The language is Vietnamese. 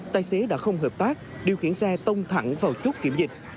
tài xế đã không hợp tác điều khiển xe tông thẳng vào chốt kiểm dịch